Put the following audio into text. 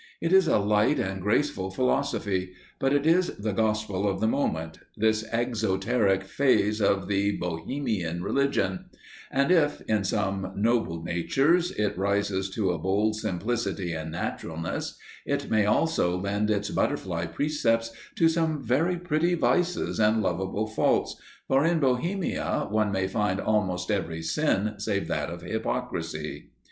It is a light and graceful philosophy, but it is the Gospel of the Moment, this exoteric phase of the Bohemian religion; and if, in some noble natures, it rises to a bold simplicity and naturalness, it may also lend its butterfly precepts to some very pretty vices and lovable faults, for in Bohemia one may find almost every sin save that of Hypocrisy.